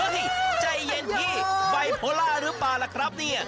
ใจเย็นพี่ไบโพล่าหรือเปล่าล่ะครับเนี่ย